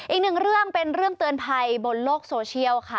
อีกหนึ่งเรื่องเป็นเรื่องเตือนภัยบนโลกโซเชียลค่ะ